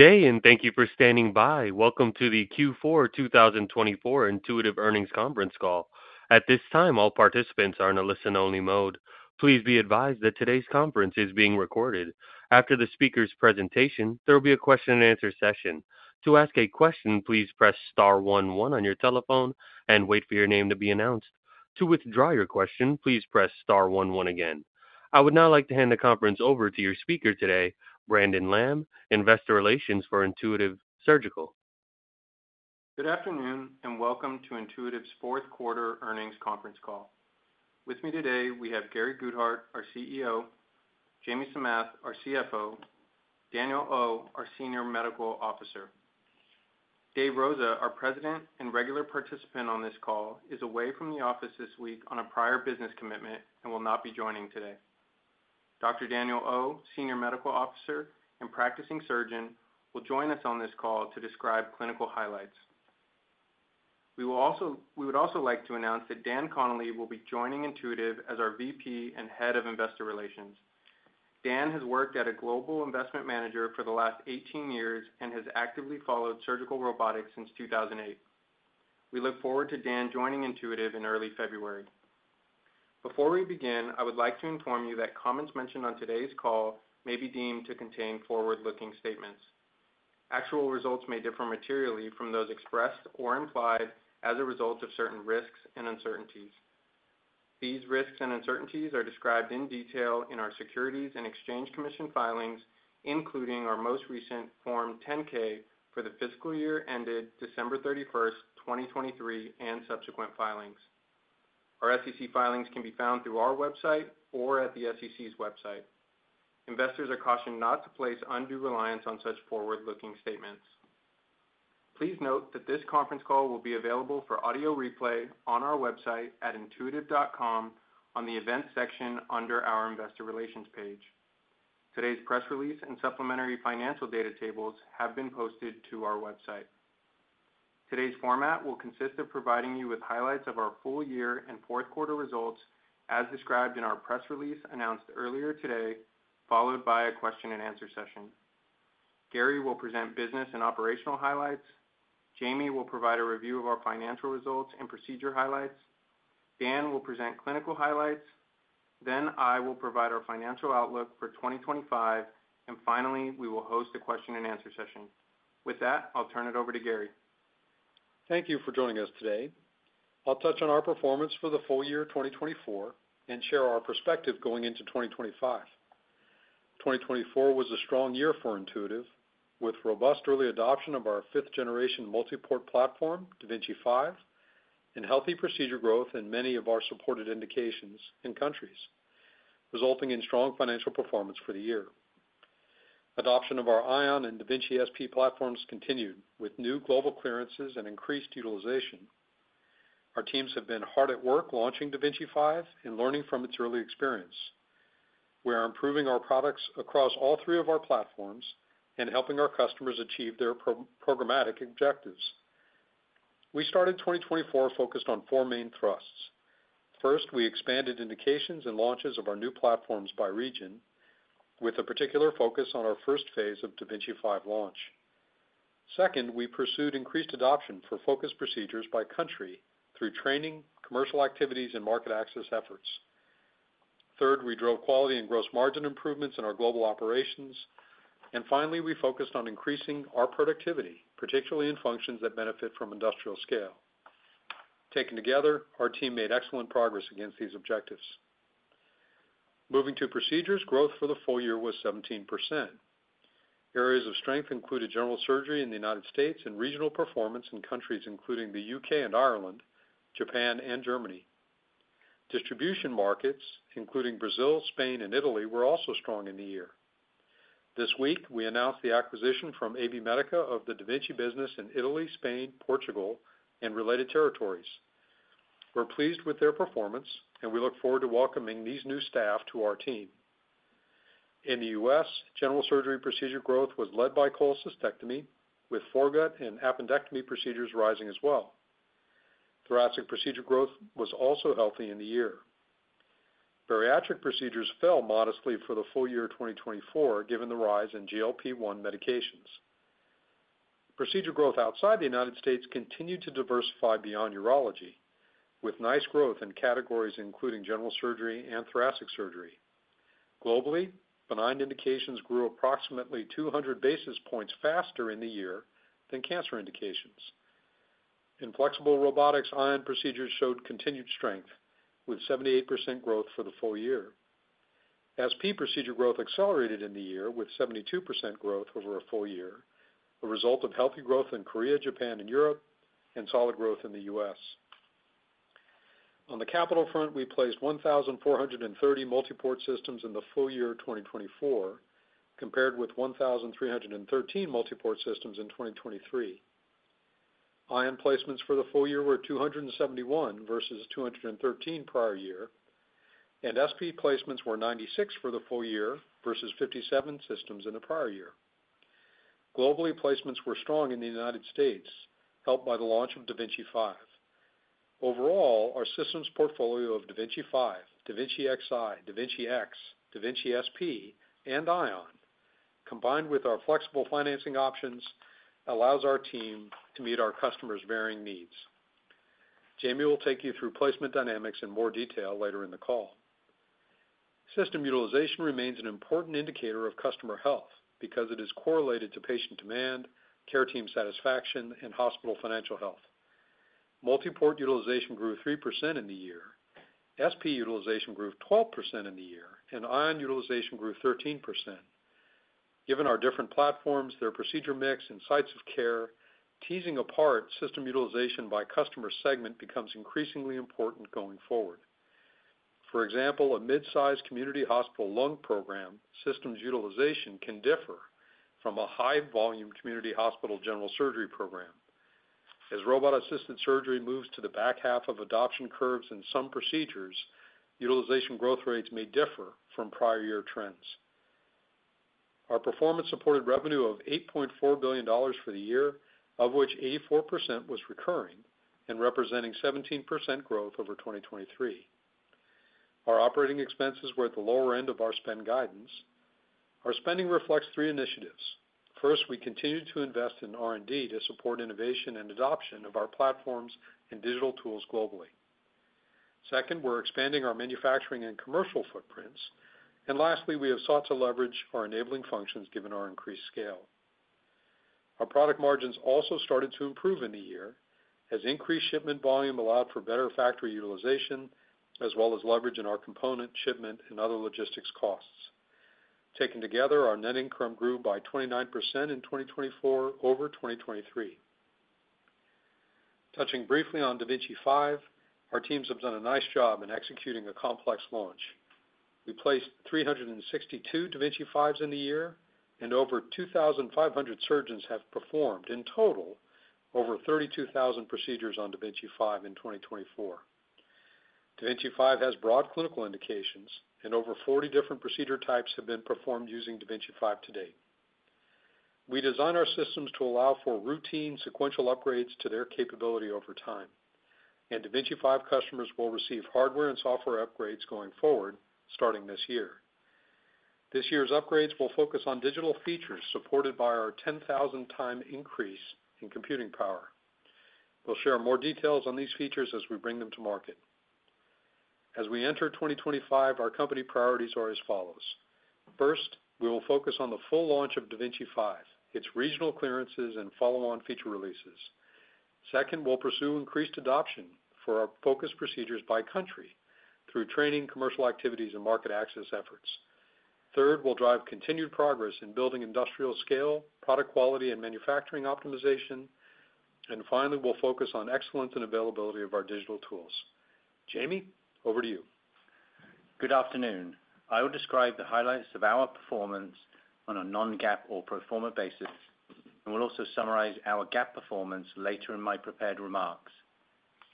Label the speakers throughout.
Speaker 1: day, and thank you for standing by. Welcome to the Q4 2024 Intuitive Surgical Earnings Conference Call. At this time, all participants are in a listen-only mode. Please be advised that today's conference is being recorded. After the speaker's presentation, there will be a question-and-answer session. To ask a question, please press star 11 on your telephone and wait for your name to be announced. To withdraw your question, please press star 11 again. I would now like to hand the conference over to your speaker today, Brandon Lamm, Investor Relations for Intuitive Surgical.
Speaker 2: Good afternoon and welcome to Intuitive's fourth quarter earnings conference call. With me today, we have Gary Guthart, our CEO, Jamie Samath, our CFO, and Daniel Oh, our Senior Medical Officer. Dave Rosa, our President and regular participant on this call, is away from the office this week on a prior business commitment and will not be joining today. Dr. Daniel Oh, Senior Medical Officer and practicing surgeon, will join us on this call to describe clinical highlights. We would also like to announce that Dan Connolly will be joining Intuitive as our VP and head of investor relations. Dan has worked at a global investment manager for the last 18 years and has actively followed surgical robotics since 2008. We look forward to Dan joining Intuitive in early February. Before we begin, I would like to inform you that comments mentioned on today's call may be deemed to contain forward-looking statements. Actual results may differ materially from those expressed or implied as a result of certain risks and uncertainties. These risks and uncertainties are described in detail in our Securities and Exchange Commission filings, including our most recent Form 10-K for the fiscal year ended December 31st, 2023, and subsequent filings. Our SEC filings can be found through our website or at the SEC's website. Investors are cautioned not to place undue reliance on such forward-looking statements. Please note that this conference call will be available for audio replay on our website at intuitive.com on the events section under our investor relations page. Today's press release and supplementary financial data tables have been posted to our website. Today's format will consist of providing you with highlights of our full year and fourth quarter results as described in our press release announced earlier today, followed by a question-and-answer session. Gary will present business and operational highlights. Jamie will provide a review of our financial results and procedure highlights. Dan will present clinical highlights. Then I will provide our financial outlook for 2025, and finally, we will host a question-and-answer session. With that, I'll turn it over to Gary.
Speaker 3: Thank you for joining us today. I'll touch on our performance for the full year 2024 and share our perspective going into 2025. 2024 was a strong year for Intuitive with robust early adoption of our fifth-generation multi-port platform, da Vinci 5, and healthy procedure growth in many of our supported indications and countries, resulting in strong financial performance for the year. Adoption of our Ion and da Vinci SP platforms continued with new global clearances and increased utilization. Our teams have been hard at work launching da Vinci 5 and learning from its early experience. We are improving our products across all three of our platforms and helping our customers achieve their programmatic objectives. We started 2024 focused on four main thrusts. First, we expanded indications and launches of our new platforms by region with a particular focus on our first phase of da Vinci 5 launch. Second, we pursued increased adoption for focused procedures by country through training, commercial activities, and market access efforts. Third, we drove quality and gross margin improvements in our global operations. And finally, we focused on increasing our productivity, particularly in functions that benefit from industrial scale. Taken together, our team made excellent progress against these objectives. Moving to procedures, growth for the full year was 17%. Areas of strength included general surgery in the United States and regional performance in countries including the UK and Ireland, Japan, and Germany. Distribution markets, including Brazil, Spain, and Italy, were also strong in the year. This week, we announced the acquisition from ab medica of the da Vinci business in Italy, Spain, Portugal, and related territories. We're pleased with their performance, and we look forward to welcoming these new staff to our team. In the U.S., general surgery procedure growth was led by cholecystectomy, with foregut and appendectomy procedures rising as well. Thoracic procedure growth was also healthy in the year. Bariatric procedures fell modestly for the full year 2024, given the rise in GLP-1 medications. Procedure growth outside the United States continued to diversify beyond urology, with nice growth in categories including general surgery and thoracic surgery. Globally, benign indications grew approximately 200 basis points faster in the year than cancer indications. Ion procedures showed continued strength with 78% growth for the full year. SP procedure growth accelerated in the year with 72% growth over a full year, a result of healthy growth in Korea, Japan, and Europe, and solid growth in the U.S. On the capital front, we placed 1,430 multi-port systems in the full year 2024, compared with 1,313 multi-port systems in 2023. Ion placements for the full year were 271 versus 213 prior year, and SP placements were 96 for the full year versus 57 systems in the prior year. Globally, placements were strong in the United States, helped by the launch of da Vinci 5. Overall, our systems portfolio of da Vinci 5, da Vinci Xi, da Vinci X, da Vinci SP, and Ion, combined with our flexible financing options, allows our team to meet our customers' varying needs. Jamie will take you through placement dynamics in more detail later in the call. System utilization remains an important indicator of customer health because it is correlated to patient demand, care team satisfaction, and hospital financial health. Multi-port utilization grew 3% in the year. SP utilization grew 12% in the year, and Ion utilization grew 13%. Given our different platforms, their procedure mix, and sites of care, teasing apart system utilization by customer segment becomes increasingly important going forward. For example, a mid-size community hospital lung program systems utilization can differ from a high-volume community hospital general surgery program. As robot-assisted surgery moves to the back half of adoption curves in some procedures, utilization growth rates may differ from prior year trends. Our performance supported revenue of $8.4 billion for the year, of which 84% was recurring and representing 17% growth over 2023. Our operating expenses were at the lower end of our spend guidance. Our spending reflects three initiatives. First, we continue to invest in R&D to support innovation and adoption of our platforms and digital tools globally. Second, we're expanding our manufacturing and commercial footprints. And lastly, we have sought to leverage our enabling functions given our increased scale. Our product margins also started to improve in the year as increased shipment volume allowed for better factory utilization as well as leverage in our component shipment and other logistics costs. Taken together, our net income grew by 29% in 2024 over 2023. Touching briefly on da Vinci 5, our teams have done a nice job in executing a complex launch. We placed 362 da Vinci 5s in the year, and over 2,500 surgeons have performed in total over 32,000 procedures on da Vinci 5 in 2024. da Vinci 5 has broad clinical indications, and over 40 different procedure types have been performed using da Vinci 5 to date. We design our systems to allow for routine sequential upgrades to their capability over time, and da Vinci 5 customers will receive hardware and software upgrades going forward starting this year. This year's upgrades will focus on digital features supported by our 10,000-time increase in computing power. We'll share more details on these features as we bring them to market. As we enter 2025, our company priorities are as follows. First, we will focus on the full launch of da Vinci 5, its regional clearances, and follow-on feature releases. Second, we'll pursue increased adoption for our focused procedures by country through training, commercial activities, and market access efforts. Third, we'll drive continued progress in building industrial scale, product quality, and manufacturing optimization. And finally, we'll focus on excellence and availability of our digital tools. Jamie, over to you.
Speaker 4: Good afternoon. I will describe the highlights of our performance on a non-GAAP or pro forma basis, and will also summarize our GAAP performance later in my prepared remarks.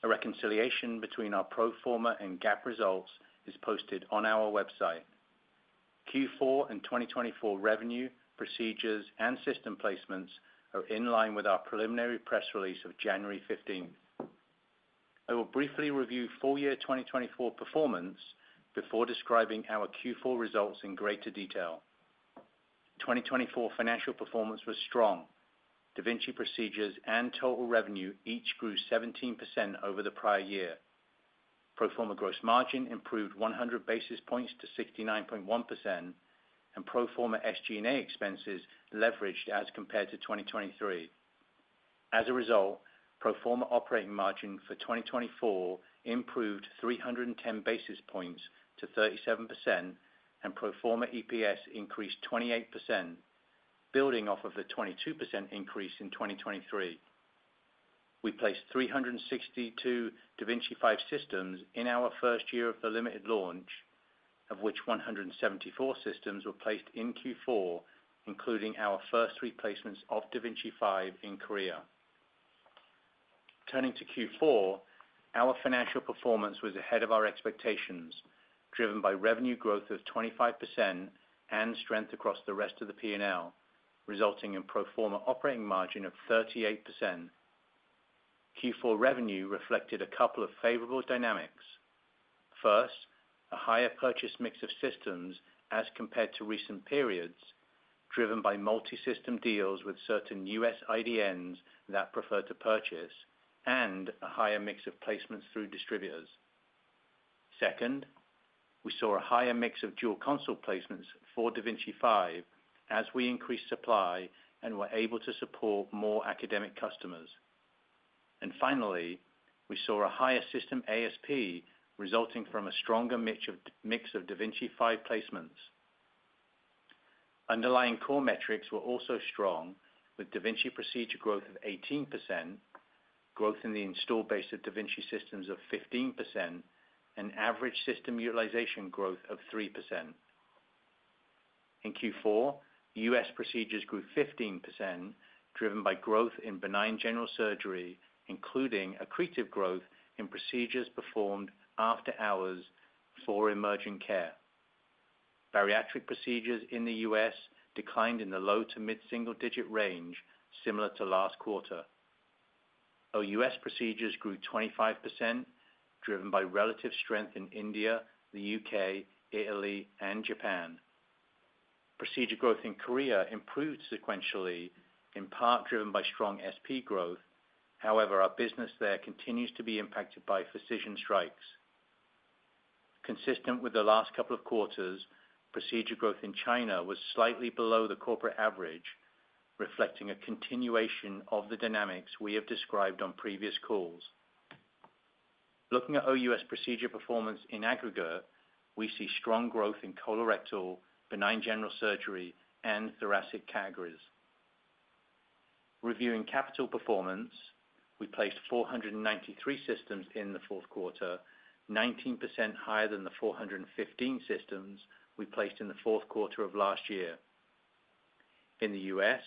Speaker 4: A reconciliation between our pro forma and GAAP results is posted on our website. Q4 and 2024 revenue, procedures, and system placements are in line with our preliminary press release of January 15th. I will briefly review full year 2024 performance before describing our Q4 results in greater detail. 2024 financial performance was strong. da Vinci procedures and total revenue each grew 17% over the prior year. Pro forma gross margin improved 100 basis points to 69.1%, and pro forma SG&A expenses leveraged as compared to 2023. As a result, pro forma operating margin for 2024 improved 310 basis points to 37%, and pro forma EPS increased 28%, building off of the 22% increase in 2023. We placed 362 da Vinci 5 systems in our first year of the limited launch, of which 174 systems were placed in Q4, including our first three placements of da Vinci 5 in Korea. Turning to Q4, our financial performance was ahead of our expectations, driven by revenue growth of 25% and strength across the rest of the P&L, resulting in pro forma operating margin of 38%. Q4 revenue reflected a couple of favorable dynamics. First, a higher purchase mix of systems as compared to recent periods, driven by multi-system deals with certain U.S. IDNs that prefer to purchase, and a higher mix of placements through distributors. Second, we saw a higher mix of dual console placements for da Vinci 5 as we increased supply and were able to support more academic customers. And finally, we saw a higher system ASP resulting from a stronger mix of da Vinci 5 placements. Underlying core metrics were also strong, with da Vinci procedure growth of 18%, growth in the installed base of da Vinci systems of 15%, and average system utilization growth of 3%. In Q4, U.S. procedures grew 15%, driven by growth in benign general surgery, including accretive growth in procedures performed after hours for emerging care. Bariatric procedures in the U.S. declined in the low to mid-single-digit range, similar to last quarter. Our ex-U.S. procedures grew 25%, driven by relative strength in India, the U.K., Italy, and Japan. Procedure growth in Korea improved sequentially, in part driven by strong SP growth. However, our business there continues to be impacted by physician strikes. Consistent with the last couple of quarters, procedure growth in China was slightly below the corporate average, reflecting a continuation of the dynamics we have described on previous calls. Looking at OUS procedure performance in aggregate, we see strong growth in colorectal, benign general surgery, and thoracic CAGRs. Reviewing capital performance, we placed 493 systems in the fourth quarter, 19% higher than the 415 systems we placed in the fourth quarter of last year. In the U.S.,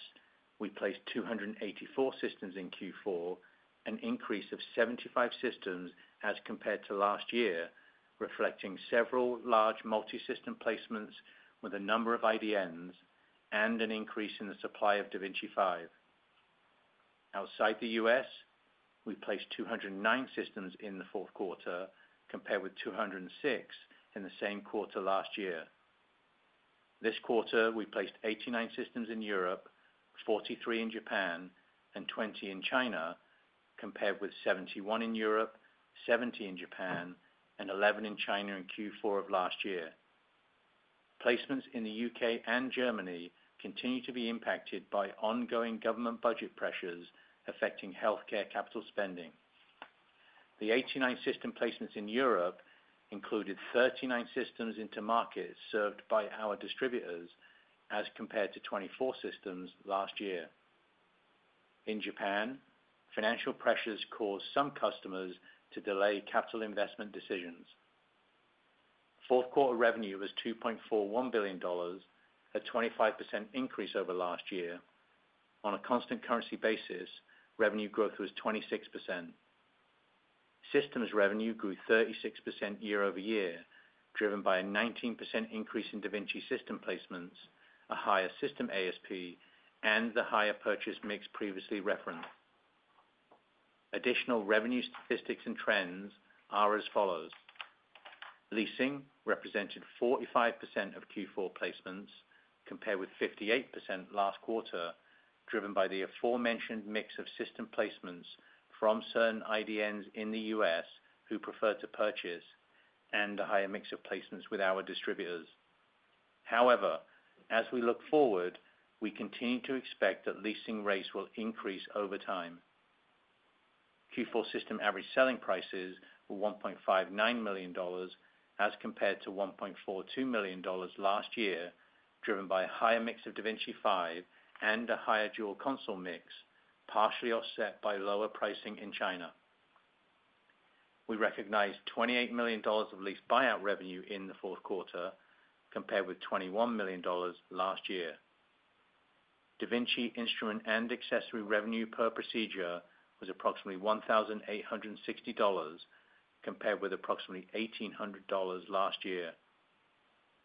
Speaker 4: we placed 284 systems in Q4, an increase of 75 systems as compared to last year, reflecting several large multi-system placements with a number of IDNs and an increase in the supply of da Vinci 5. Outside the U.S., we placed 209 systems in the fourth quarter, compared with 206 in the same quarter last year. This quarter, we placed 89 systems in Europe, 43 in Japan, and 20 in China, compared with 71 in Europe, 70 in Japan, and 11 in China in Q4 of last year. Placements in the U.K. and Germany continue to be impacted by ongoing government budget pressures affecting healthcare capital spending. The 89 system placements in Europe included 39 systems into markets served by our distributors as compared to 24 systems last year. In Japan, financial pressures caused some customers to delay capital investment decisions. Fourth quarter revenue was $2.41 billion, a 25% increase over last year. On a constant currency basis, revenue growth was 26%. Systems revenue grew 36% year over year, driven by a 19% increase in da Vinci system placements, a higher system ASP, and the higher purchase mix previously referenced. Additional revenue statistics and trends are as follows. Leasing represented 45% of Q4 placements, compared with 58% last quarter, driven by the aforementioned mix of system placements from certain IDNs in the U.S. who prefer to purchase, and a higher mix of placements with our distributors. However, as we look forward, we continue to expect that leasing rates will increase over time. Q4 system average selling prices were $1.59 million as compared to $1.42 million last year, driven by a higher mix of da Vinci 5 and a higher dual console mix, partially offset by lower pricing in China. We recognized $28 million of lease buyout revenue in the fourth quarter, compared with $21 million last year. da Vinci instrument and accessory revenue per procedure was approximately $1,860, compared with approximately $1,800 last year.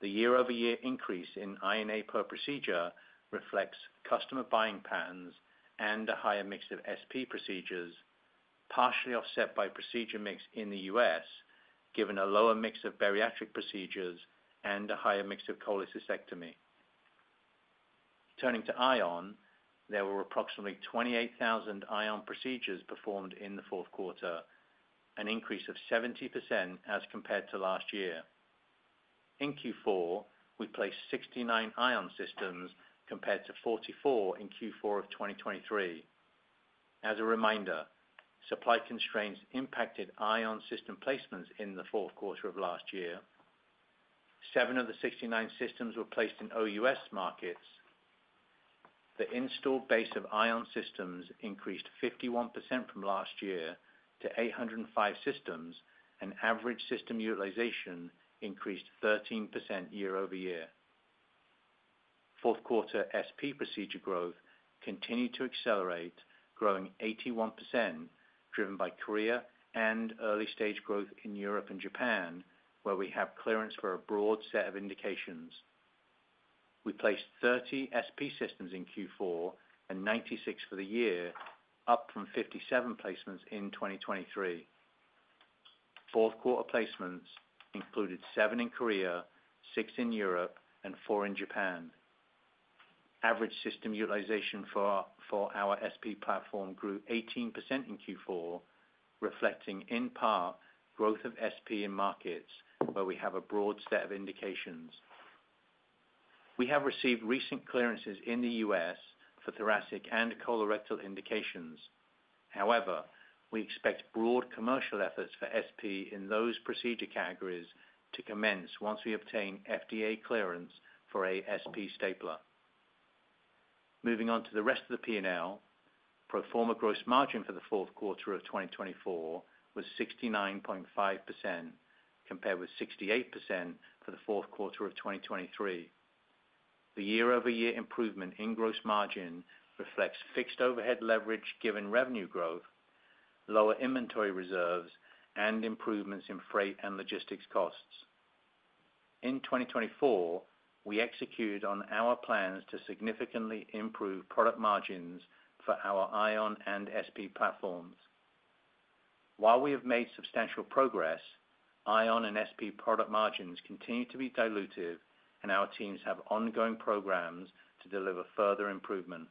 Speaker 4: The year-over-year increase in I&A per procedure reflects customer buying patterns and a higher mix of da Vinci SP procedures, partially offset by procedure mix in the U.S., given a lower mix of bariatric procedures and a higher mix of cholecystectomy. Turning to Ion, there were approximately 28,000 Ion procedures performed in the fourth quarter, an increase of 70% as compared to last year. In Q4, we placed 69 Ion systems compared to 44 in Q4 of 2023. As a reminder, supply constraints impacted Ion system placements in the fourth quarter of last year. Seven of the 69 systems were placed in OUS markets. The installed base of Ion systems increased 51% from last year to 805 systems, and average system utilization increased 13% year over year. Fourth quarter SP procedure growth continued to accelerate, growing 81%, driven by Korea and early-stage growth in Europe and Japan, where we have clearance for a broad set of indications. We placed 30 SP systems in Q4 and 96 for the year, up from 57 placements in 2023. Fourth quarter placements included seven in Korea, six in Europe, and four in Japan. Average system utilization for our SP platform grew 18% in Q4, reflecting in part growth of SP in markets, where we have a broad set of indications. We have received recent clearances in the U.S. for thoracic and colorectal indications. However, we expect broad commercial efforts for SP in those procedure categories to commence once we obtain FDA clearance for a SP stapler. Moving on to the rest of the P&L, pro forma gross margin for the fourth quarter of 2024 was 69.5%, compared with 68% for the fourth quarter of 2023. The year-over-year improvement in gross margin reflects fixed overhead leverage given revenue growth, lower inventory reserves, and improvements in freight and logistics costs. In 2024, we executed on our plans to significantly improve product margins for our ION and SP platforms. While we have made substantial progress, Ion and da Vinci SP product margins continue to be dilutive, and our teams have ongoing programs to deliver further improvement.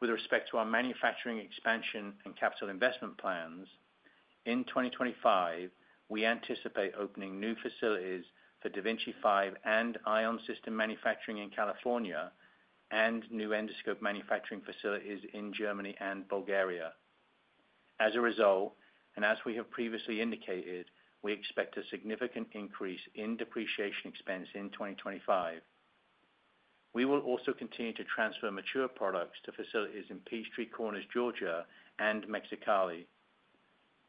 Speaker 4: With respect to our manufacturing expansion and capital investment plans, in 2025, we anticipate opening new facilities for da Vinci 5 and Ion system manufacturing in California and new endoscope manufacturing facilities in Germany and Bulgaria. As a result, and as we have previously indicated, we expect a significant increase in depreciation expense in 2025. We will also continue to transfer mature products to facilities in Peachtree Corners, Georgia, and Mexicali.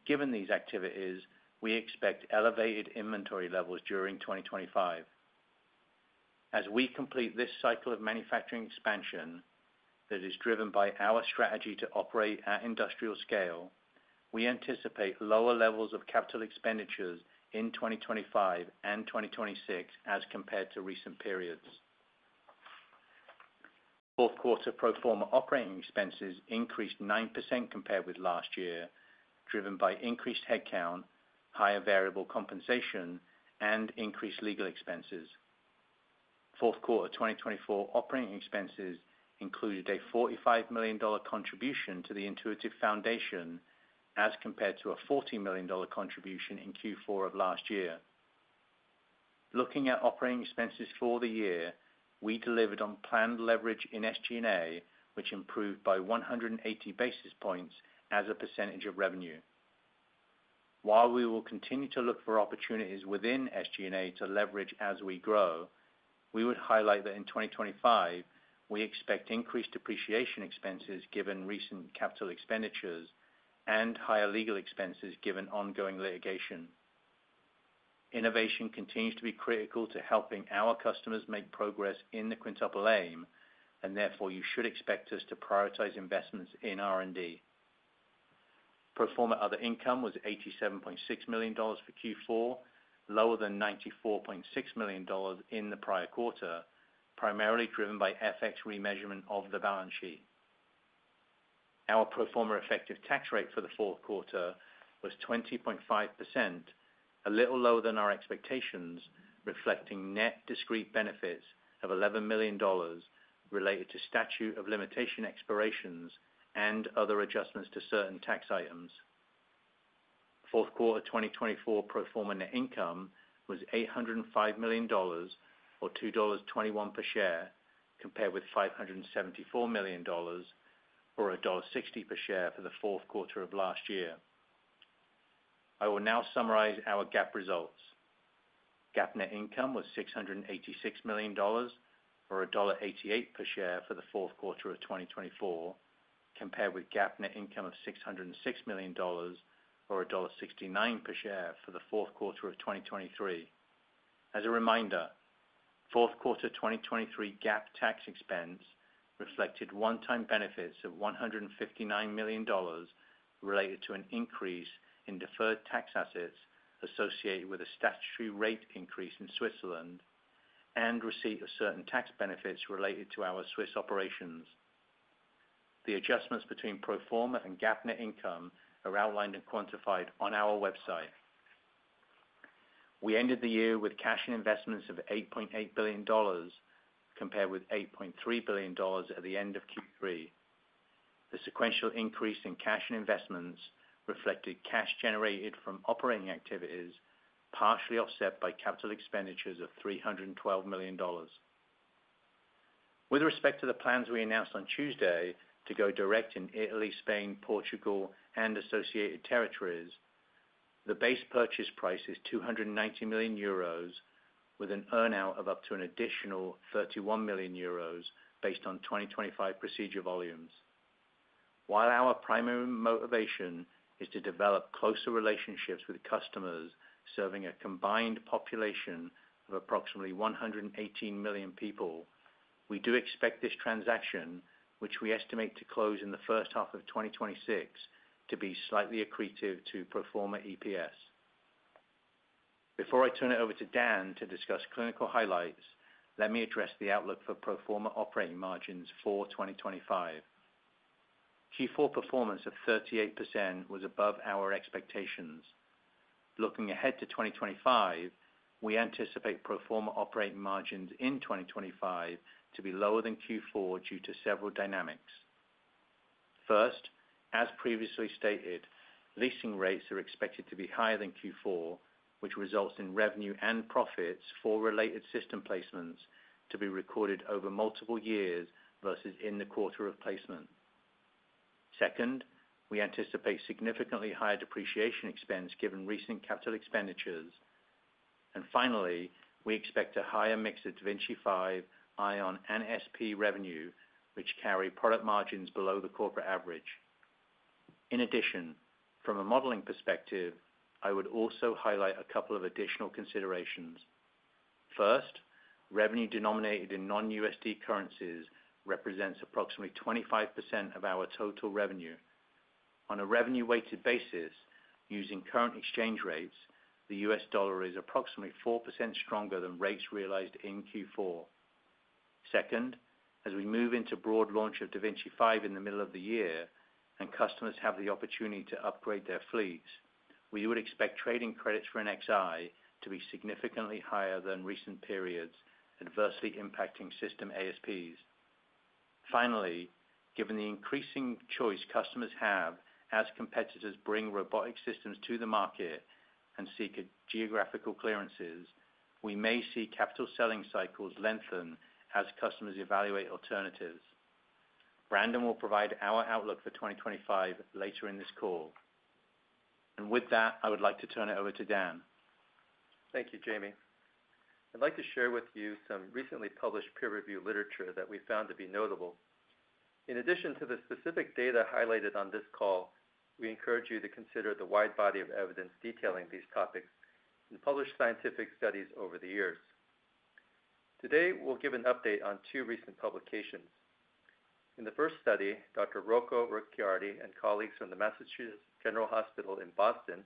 Speaker 4: Given these activities, we expect elevated inventory levels during 2025. As we complete this cycle of manufacturing expansion that is driven by our strategy to operate at industrial scale, we anticipate lower levels of capital expenditures in 2025 and 2026 as compared to recent periods. Fourth quarter pro forma operating expenses increased 9% compared with last year, driven by increased headcount, higher variable compensation, and increased legal expenses. Fourth quarter 2024 operating expenses included a $45 million contribution to the Intuitive Foundation as compared to a $40 million contribution in Q4 of last year. Looking at operating expenses for the year, we delivered on planned leverage in SG&A, which improved by 180 basis points as a percentage of revenue. While we will continue to look for opportunities within SG&A to leverage as we grow, we would highlight that in 2025, we expect increased depreciation expenses given recent capital expenditures and higher legal expenses given ongoing litigation. Innovation continues to be critical to helping our customers make progress in the Quintuple Aim, and therefore you should expect us to prioritize investments in R&D. Pro forma other income was $87.6 million for Q4, lower than $94.6 million in the prior quarter, primarily driven by FX remeasurement of the balance sheet. Our pro forma effective tax rate for the fourth quarter was 20.5%, a little lower than our expectations, reflecting net discrete benefits of $11 million related to statute of limitation expirations and other adjustments to certain tax items. Fourth quarter 2024 pro forma net income was $805 million or $2.21 per share, compared with $574 million or $1.60 per share for the fourth quarter of last year. I will now summarize our GAAP results. GAAP net income was $686 million or $1.88 per share for the fourth quarter of 2024, compared with GAAP net income of $606 million or $1.69 per share for the fourth quarter of 2023. As a reminder, fourth quarter 2023 GAAP tax expense reflected one-time benefits of $159 million related to an increase in deferred tax assets associated with a statutory rate increase in Switzerland and receipt of certain tax benefits related to our Swiss operations. The adjustments between pro forma and GAAP net income are outlined and quantified on our website. We ended the year with cash and investments of $8.8 billion, compared with $8.3 billion at the end of Q3. The sequential increase in cash and investments reflected cash generated from operating activities, partially offset by capital expenditures of $312 million. With respect to the plans we announced on Tuesday to go direct in Italy, Spain, Portugal, and associated territories, the base purchase price is 290 million euros, with an earnout of up to an additional 31 million euros based on 2025 procedure volumes. While our primary motivation is to develop closer relationships with customers serving a combined population of approximately 118 million people, we do expect this transaction, which we estimate to close in the first half of 2026, to be slightly accretive to pro forma EPS. Before I turn it over to Dan to discuss clinical highlights, let me address the outlook for pro forma operating margins for 2025. Q4 performance of 38% was above our expectations. Looking ahead to 2025, we anticipate pro forma operating margins in 2025 to be lower than Q4 due to several dynamics. First, as previously stated, leasing rates are expected to be higher than Q4, which results in revenue and profits for related system placements to be recorded over multiple years versus in the quarter of placement. Second, we anticipate significantly higher depreciation expense given recent capital expenditures. And finally, we expect a higher mix of da Vinci 5, Ion, and SP revenue, which carry product margins below the corporate average. In addition, from a modeling perspective, I would also highlight a couple of additional considerations. First, revenue denominated in non-USD currencies represents approximately 25% of our total revenue. On a revenue-weighted basis, using current exchange rates, the U.S. dollar is approximately 4% stronger than rates realized in Q4. Second, as we move into broad launch of da Vinci 5 in the middle of the year and customers have the opportunity to upgrade their fleets, we would expect trading credits for an Xi to be significantly higher than recent periods, adversely impacting system ASPs. Finally, given the increasing choice customers have as competitors bring robotic systems to the market and seek geographical clearances, we may see capital selling cycles lengthen as customers evaluate alternatives. Brandon will provide our outlook for 2025 later in this call. And with that, I would like to turn it over to Dan.
Speaker 5: Thank you, Jamie. I'd like to share with you some recently published peer-reviewed literature that we found to be notable. In addition to the specific data highlighted on this call, we encourage you to consider the wide body of evidence detailing these topics and published scientific studies over the years. Today, we'll give an update on two recent publications. In the first study, Dr. Rocco Ricciardi and colleagues from the Massachusetts General Hospital in Boston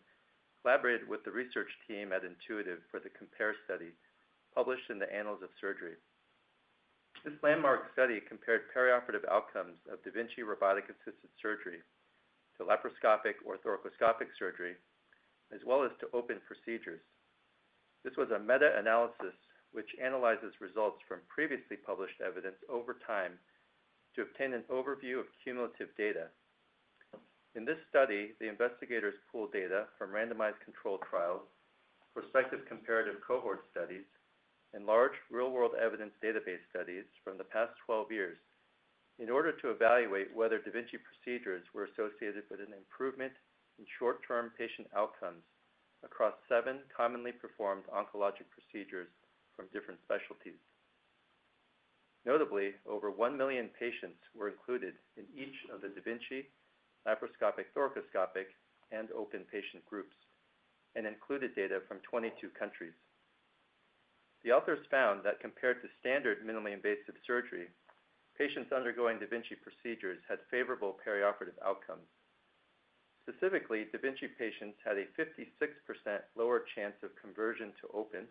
Speaker 5: collaborated with the research team at Intuitive for the COMPARE study published in the Annals of Surgery. This landmark study compared perioperative outcomes of da Vinci robotic-assisted surgery to laparoscopic or thoracoscopic surgery, as well as to open procedures. This was a meta-analysis which analyzes results from previously published evidence over time to obtain an overview of cumulative data. In this study, the investigators pulled data from randomized control trials, prospective comparative cohort studies, and large real-world evidence database studies from the past 12 years in order to evaluate whether da Vinci procedures were associated with an improvement in short-term patient outcomes across seven commonly performed oncologic procedures from different specialties. Notably, over 1 million patients were included in each of the da Vinci, laparoscopic, thoracoscopic, and open patient groups and included data from 22 countries. The authors found that compared to standard minimally invasive surgery, patients undergoing da Vinci procedures had favorable perioperative outcomes. Specifically, da Vinci patients had a 56% lower chance of conversion to open,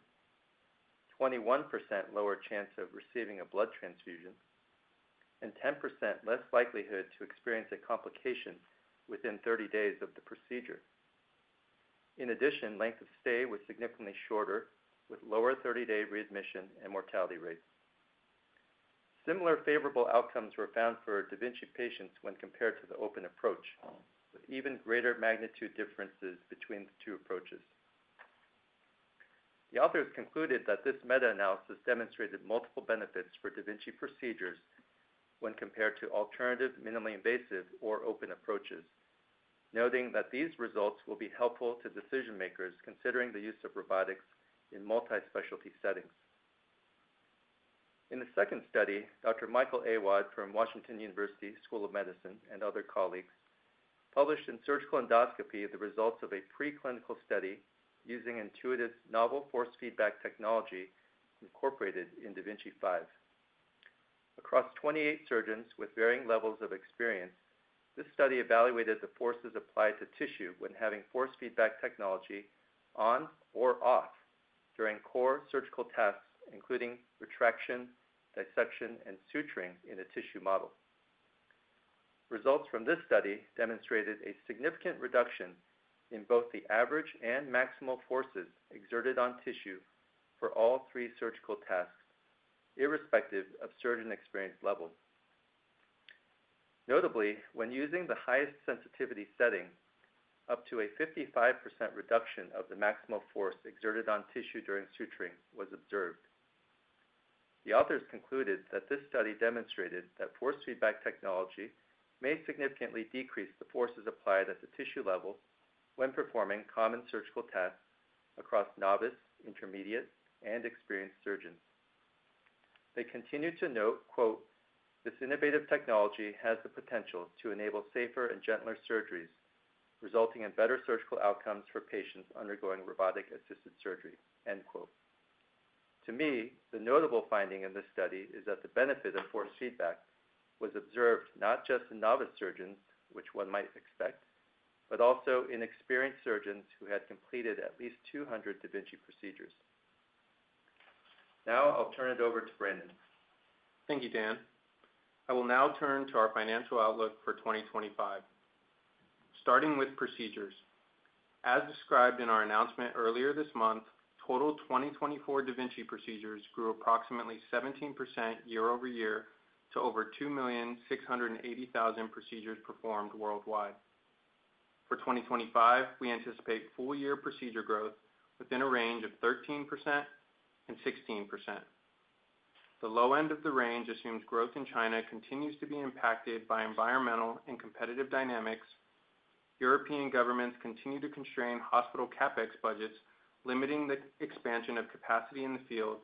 Speaker 5: 21% lower chance of receiving a blood transfusion, and 10% less likelihood to experience a complication within 30 days of the procedure. In addition, length of stay was significantly shorter, with lower 30-day readmission and mortality rates. Similar favorable outcomes were found for da Vinci patients when compared to the open approach, with even greater magnitude differences between the two approaches. The authors concluded that this meta-analysis demonstrated multiple benefits for da Vinci procedures when compared to alternative minimally invasive or open approaches, noting that these results will be helpful to decision-makers considering the use of robotics in multispecialty settings. In the second study, Dr. Michael Awad from Washington University School of Medicine and other colleagues published in Surgical Endoscopy the results of a preclinical study using Intuitive's novel force feedback technology incorporated in da Vinci 5. Across 28 surgeons with varying levels of experience, this study evaluated the forces applied to tissue when having force feedback technology on or off during core surgical tasks, including retraction, dissection, and suturing in a tissue model. Results from this study demonstrated a significant reduction in both the average and maximal forces exerted on tissue for all three surgical tasks, irrespective of surgeon experience level. Notably, when using the highest sensitivity setting, up to a 55% reduction of the maximal force exerted on tissue during suturing was observed. The authors concluded that this study demonstrated that force feedback technology may significantly decrease the forces applied at the tissue level when performing common surgical tasks across novice, intermediate, and experienced surgeons. They continued to note, "This innovative technology has the potential to enable safer and gentler surgeries, resulting in better surgical outcomes for patients undergoing robotic-assisted surgery." To me, the notable finding in this study is that the benefit of force feedback was observed not just in novice surgeons, which one might expect, but also in experienced surgeons who had completed at least 200 da Vinci procedures.
Speaker 6: Now I'll turn it over to Brandon. Thank you, Dan. I will now turn to our financial outlook for 2025, starting with procedures. As described in our announcement earlier this month, total 2024 da Vinci procedures grew approximately 17% year over year to over 2,680,000 procedures performed worldwide. For 2025, we anticipate full-year procedure growth within a range of 13%-16%. The low end of the range assumes growth in China continues to be impacted by environmental and competitive dynamics. European governments continue to constrain hospital CapEx budgets, limiting the expansion of capacity in the field,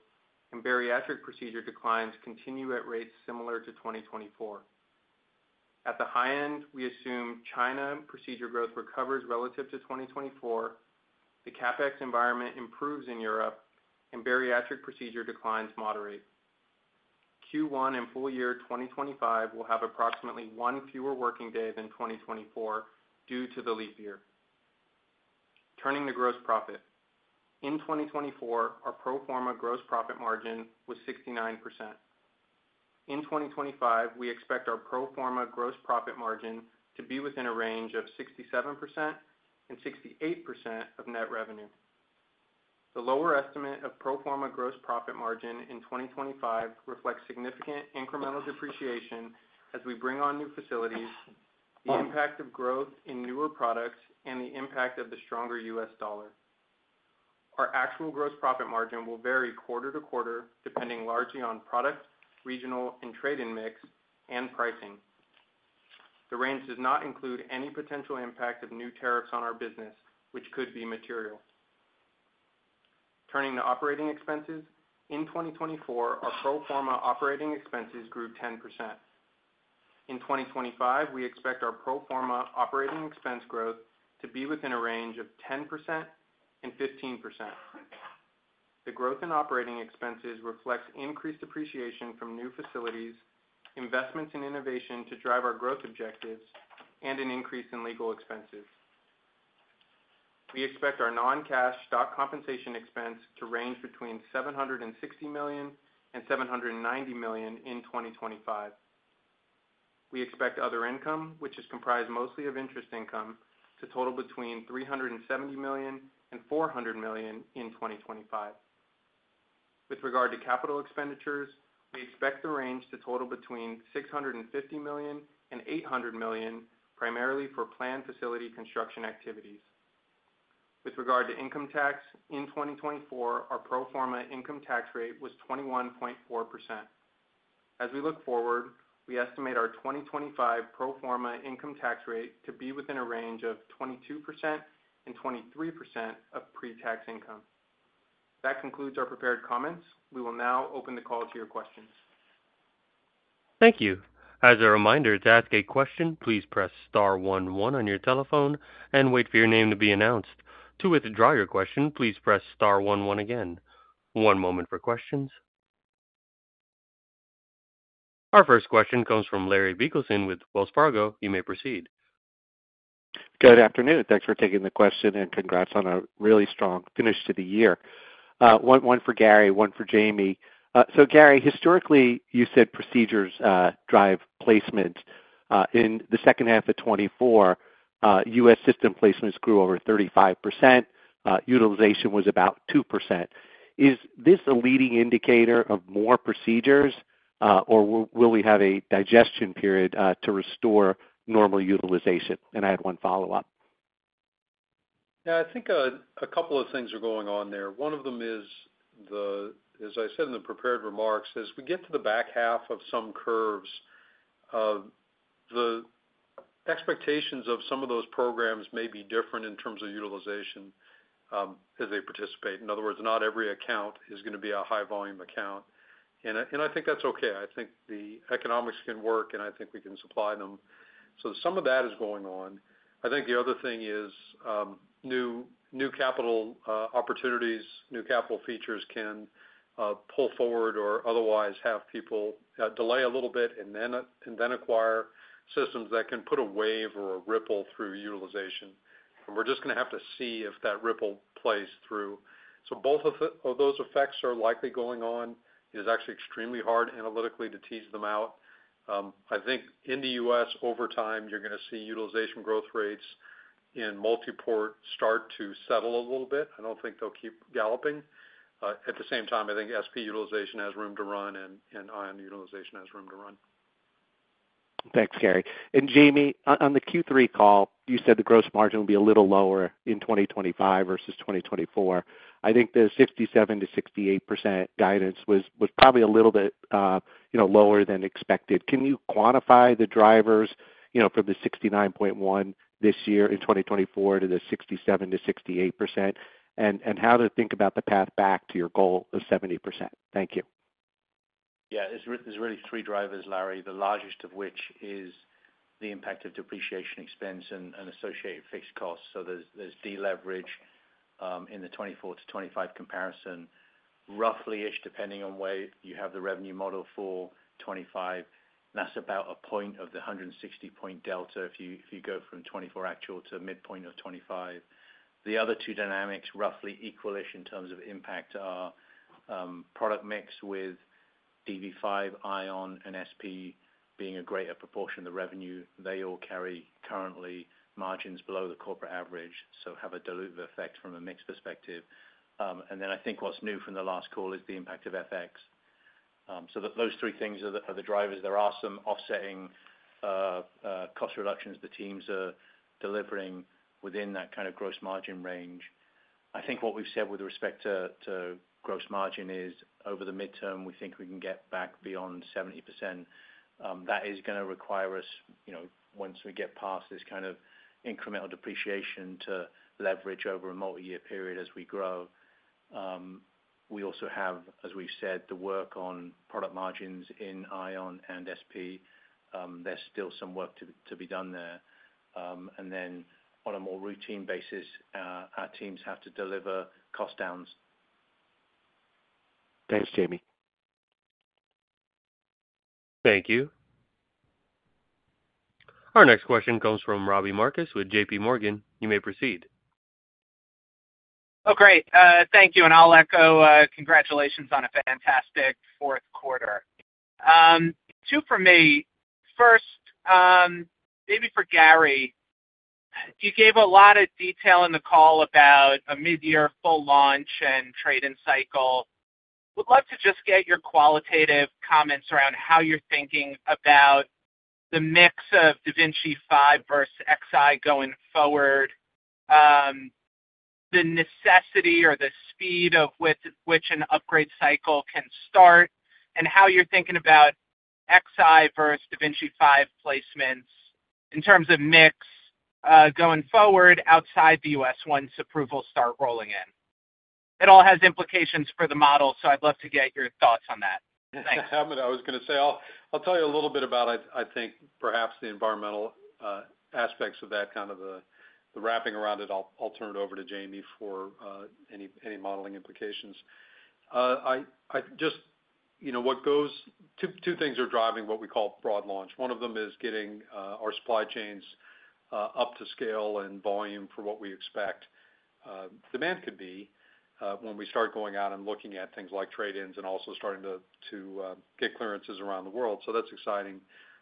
Speaker 6: and bariatric procedure declines continue at rates similar to 2024. At the high end, we assume China procedure growth recovers relative to 2024, the CapEx environment improves in Europe, and bariatric procedure declines moderate. Q1 and full year 2025 will have approximately one fewer working day than 2024 due to the leap year. Turning to gross profit, in 2024, our pro forma gross profit margin was 69%. In 2025, we expect our pro forma gross profit margin to be within a range of 67%-68% of net revenue. The lower estimate of pro forma gross profit margin in 2025 reflects significant incremental depreciation as we bring on new facilities, the impact of growth in newer products, and the impact of the stronger U.S. dollar. Our actual gross profit margin will vary quarter to quarter, depending largely on product, regional, and trade-in mix and pricing. The range does not include any potential impact of new tariffs on our business, which could be material. Turning to operating expenses, in 2024, our pro forma operating expenses grew 10%. In 2025, we expect our pro forma operating expense growth to be within a range of 10%-15%. The growth in operating expenses reflects increased depreciation from new facilities, investments in innovation to drive our growth objectives, and an increase in legal expenses. We expect our non-cash stock compensation expense to range between $760 million and $790 million in 2025. We expect other income, which is comprised mostly of interest income, to total between $370 million and $400 million in 2025. With regard to capital expenditures, we expect the range to total between $650 million and $800 million, primarily for planned facility construction activities. With regard to income tax, in 2024, our pro forma income tax rate was 21.4%. As we look forward, we estimate our 2025 pro forma income tax rate to be within a range of 22% and 23% of pre-tax income. That concludes our prepared comments. We will now open the call to your questions. Thank you.
Speaker 1: As a reminder, to ask a question, please press star 11 on your telephone and wait for your name to be announced. To withdraw your question, please press star 11 again. One moment for questions. Our first question comes from Larry Biegelsen with Wells Fargo. You may proceed.
Speaker 7: Good afternoon. Thanks for taking the question and congrats on a really strong finish to the year. One for Gary, one for Jamie. So Gary, historically, you said procedures drive placement. In the second half of 2024, US system placements grew over 35%. Utilization was about 2%. Is this a leading indicator of more procedures, or will we have a digestion period to restore normal utilization? And I had one follow-up.
Speaker 3: Yeah, I think a couple of things are going on there. One of them is, as I said in the prepared remarks, as we get to the back half of some curves, the expectations of some of those programs may be different in terms of utilization as they participate. In other words, not every account is going to be a high-volume account. And I think that's okay. I think the economics can work, and I think we can supply them. So some of that is going on. I think the other thing is new capital opportunities, new capital features can pull forward or otherwise have people delay a little bit and then acquire systems that can put a wave or a ripple through utilization. And we're just going to have to see if that ripple plays through. So both of those effects are likely going on. It is actually extremely hard analytically to tease them out. I think in the U.S., over time, you're going to see utilization growth rates in multi-port start to settle a little bit. I don't think they'll keep galloping. At the same time, I think SP utilization has room to run and ION utilization has room to run.
Speaker 7: Thanks, Gary. And Jamie, on the Q3 call, you said the gross margin will be a little lower in 2025 versus 2024. I think the 67%-68% guidance was probably a little bit lower than expected. Can you quantify the drivers from the 69.1% this year in 2024 to the 67%-68%, and how to think about the path back to your goal of 70%? Thank you.
Speaker 4: Yeah, there's really three drivers, Larry, the largest of which is the impact of depreciation expense and associated fixed costs. So there's deleverage in the 2024 to 2025 comparison, roughly-ish, depending on where you have the revenue model for 2025. That's about a point of the 160-point delta if you go from 2024 actual to midpoint of 2025. The other two dynamics, roughly equal-ish in terms of impact, are product mix with DV5, ION, and SP being a greater proportion of the revenue. They all carry currently margins below the corporate average, so have a dilutive effect from a mix perspective. And then I think what's new from the last call is the impact of FX. So those three things are the drivers. There are some offsetting cost reductions the teams are delivering within that kind of gross margin range. I think what we've said with respect to gross margin is over the midterm, we think we can get back beyond 70%. That is going to require us, once we get past this kind of incremental depreciation, to leverage over a multi-year period as we grow. We also have, as we've said, the work on product margins in Ion and SP. There's still some work to be done there. And then on a more routine basis, our teams have to deliver cost downs.
Speaker 7: Thanks, Jamie.
Speaker 1: Thank you. Our next question comes from Robbie Marcus with JPMorgan. You may proceed.
Speaker 8: Oh, great. Thank you. And I'll echo congratulations on a fantastic fourth quarter. Two for me. First, maybe for Gary, you gave a lot of detail in the call about a mid-year full launch and trade-in cycle. Would love to just get your qualitative comments around how you're thinking about the mix of da Vinci 5 versus da Vinci Xi going forward, the necessity or the speed of which an upgrade cycle can start, and how you're thinking about da Vinci Xi versus da Vinci 5 placements in terms of mix going forward outside the U.S. once approvals start rolling in. It all has implications for the model, so I'd love to get your thoughts on that. Thanks.
Speaker 3: I was going to say I'll tell you a little bit about, I think, perhaps the environmental aspects of that, kind of the wrapping around it. I'll turn it over to Jamie for any modeling implications. Just two things are driving what we call broad launch. One of them is getting our supply chains up to scale and volume for what we expect. Demand could be when we start going out and looking at things like trade-ins and also starting to get clearances around the world. So that's exciting.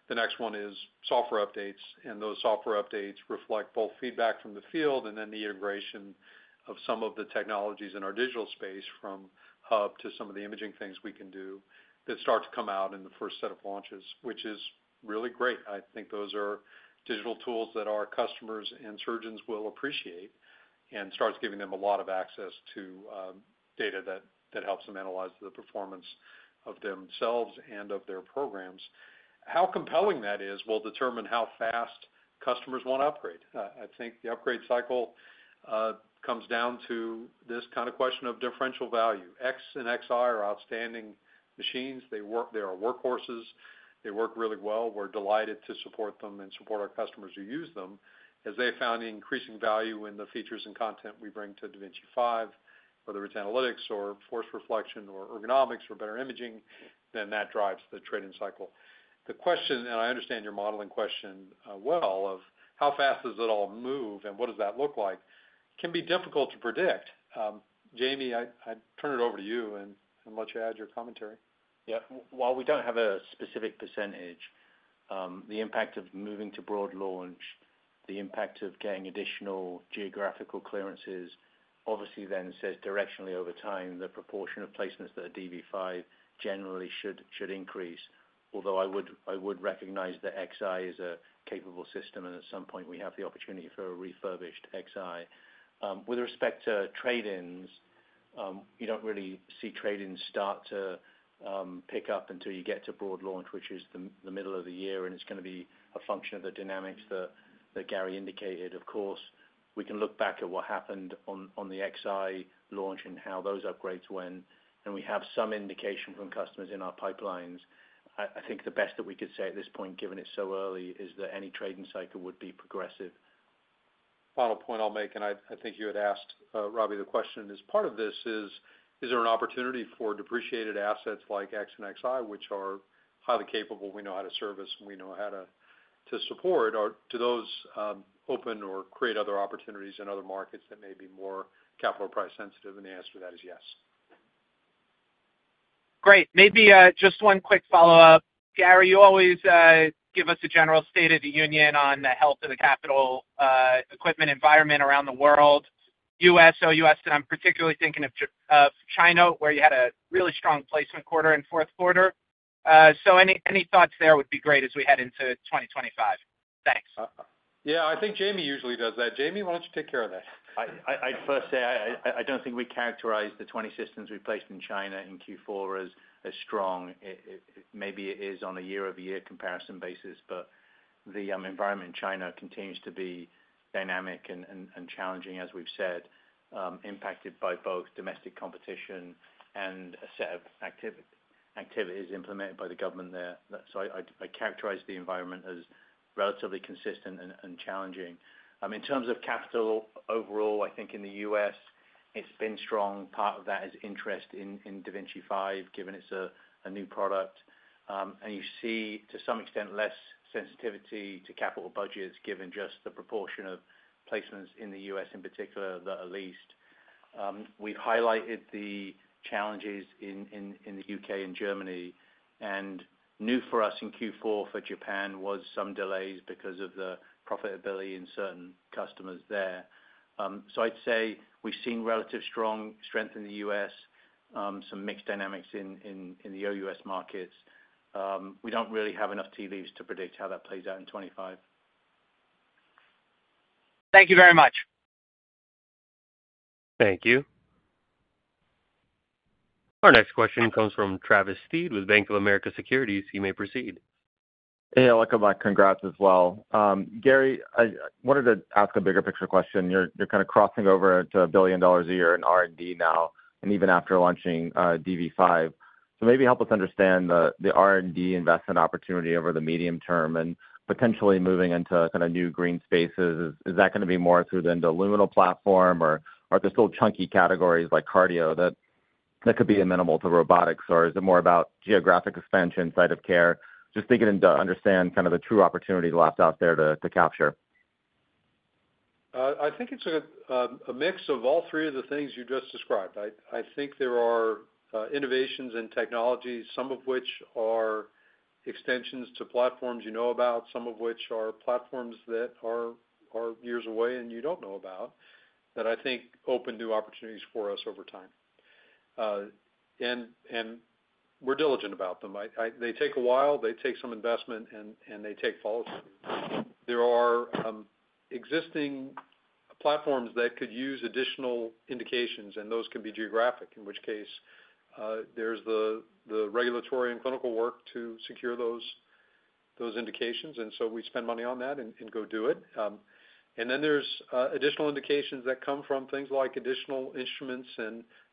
Speaker 3: The next one is software updates, and those software updates reflect both feedback from the field and then the integration of some of the technologies in our digital space from Hub to some of the imaging things we can do that start to come out in the first set of launches, which is really great. I think those are digital tools that our customers and surgeons will appreciate and starts giving them a lot of access to data that helps them analyze the performance of themselves and of their programs. How compelling that is will determine how fast customers want to upgrade. I think the upgrade cycle comes down to this kind of question of differential value. X and Xi are outstanding machines. They are workhorses. They work really well. We're delighted to support them and support our customers who use them. As they found increasing value in the features and content we bring to da Vinci 5, whether it's analytics or force feedback or ergonomics or better imaging, then that drives the trade-in cycle. The question, and I understand your modeling question well, of how fast does it all move and what does that look like, can be difficult to predict. Jamie, I turn it over to you and let you add your commentary.
Speaker 4: Yeah. While we don't have a specific percentage, the impact of moving to broad launch, the impact of getting additional geographical clearances, obviously then says directionally over time the proportion of placements that are DV5 generally should increase, although I would recognize that Xi is a capable system and at some point we have the opportunity for a refurbished Xi. With respect to trade-ins, you don't really see trade-ins start to pick up until you get to broad launch, which is the middle of the year, and it's going to be a function of the dynamics that Gary indicated. Of course, we can look back at what happened on the Xi launch and how those upgrades went, and we have some indication from customers in our pipelines. I think the best that we could say at this point, given it's so early, is that any trade-in cycle would be progressive.
Speaker 3: Final point I'll make, and I think you had asked Robbie the question as part of this is, is there an opportunity for depreciated assets like X and Xi, which are highly capable, we know how to service, we know how to support, or do those open or create other opportunities in other markets that may be more capital price sensitive? And the answer to that is yes.
Speaker 8: Great. Maybe just one quick follow-up. Gary, you always give us a general state of the union on the health of the capital equipment environment around the world, US, OUS, and I'm particularly thinking of China, where you had a really strong placement quarter and fourth quarter. So any thoughts there would be great as we head into 2025. Thanks.
Speaker 3: Yeah, I think Jamie usually does that. Jamie, why don't you take care of that?
Speaker 4: I'd first say I don't think we characterize the 20 systems we placed in China in Q4 as strong. Maybe it is on a year-over-year comparison basis, but the environment in China continues to be dynamic and challenging, as we've said, impacted by both domestic competition and a set of activities implemented by the government there. So I characterize the environment as relatively consistent and challenging. In terms of capital overall, I think in the U.S., it's been strong. Part of that is interest in da Vinci 5, given it's a new product. And you see, to some extent, less sensitivity to capital budgets, given just the proportion of placements in the U.S. in particular that are leased. We've highlighted the challenges in the U.K. and Germany, and new for us in Q4 for Japan was some delays because of the profitability in certain customers there. So I'd say we've seen relatively strong strength in the US, some mixed dynamics in the OUS markets. We don't really have enough tea leaves to predict how that plays out in 2025.
Speaker 8: Thank you very much.
Speaker 1: Thank you. Our next question comes from Travis Steed with Bank of America Securities. You may proceed.
Speaker 9: Hey, I'll come back. Congrats as well. Gary, I wanted to ask a bigger picture question. You're kind of crossing over to $1 billion a year in R&D now, and even after launching DV5. So maybe help us understand the R&D investment opportunity over the medium term and potentially moving into kind of new green spaces. Is that going to be more through the endoluminal platform, or are there still chunky categories like cardio that could be amenable to robotics, or is it more about geographic expansion, site of care? Just thinking to understand kind of the true opportunity left out there to capture.
Speaker 3: I think it's a mix of all three of the things you just described. I think there are innovations and technologies, some of which are extensions to platforms you know about, some of which are platforms that are years away and you don't know about, that I think open new opportunities for us over time. And we're diligent about them. They take a while. They take some investment, and they take follow-up. There are existing platforms that could use additional indications, and those can be geographic, in which case there's the regulatory and clinical work to secure those indications. And so we spend money on that and go do it. And then there's additional indications that come from things like additional instruments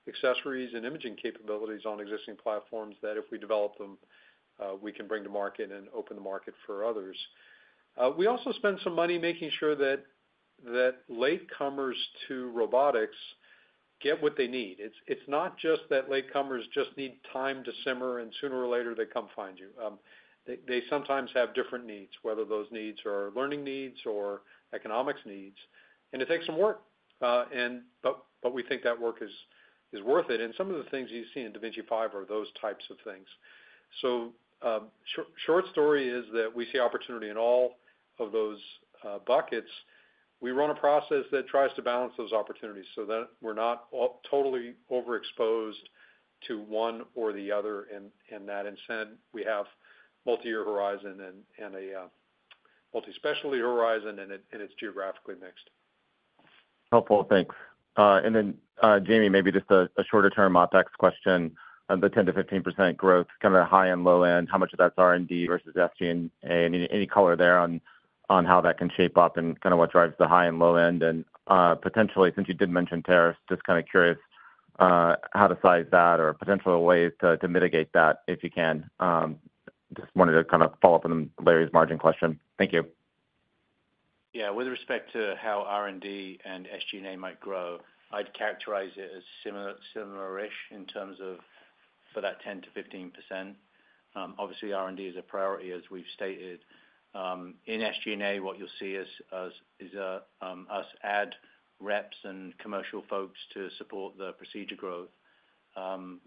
Speaker 3: and accessories and imaging capabilities on existing platforms that if we develop them, we can bring to market and open the market for others. We also spend some money making sure that latecomers to robotics get what they need. It's not just that latecomers just need time to simmer, and sooner or later they come find you. They sometimes have different needs, whether those needs are learning needs or economics needs. And it takes some work, but we think that work is worth it. And some of the things you see in da Vinci 5 are those types of things. So short story is that we see opportunity in all of those buckets. We run a process that tries to balance those opportunities so that we're not totally overexposed to one or the other. In that instance, we have a multi-year horizon and a multi-specialty horizon, and it's geographically mixed.
Speaker 9: Helpful. Thanks. And then, Jamie, maybe just a shorter-term OpEx question. The 10%-15% growth, kind of the high and low end, how much of that's R&D versus SG&A? Any color there on how that can shape up and kind of what drives the high and low end? And potentially, since you did mention tariffs, just kind of curious how to size that or potential ways to mitigate that if you can. Just wanted to kind of follow up on Larry's margin question. Thank you.
Speaker 4: Yeah. With respect to how R&D and SG&A might grow, I'd characterize it as similar-ish in terms of for that 10%-15%. Obviously, R&D is a priority, as we've stated. In SG&A, what you'll see is us add reps and commercial folks to support the procedure growth.